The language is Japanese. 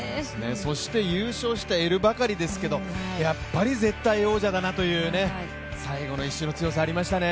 そして優勝したエルバカリですけれどもやっぱり絶対王者だなという、最後の１周の強さ、ありましたね。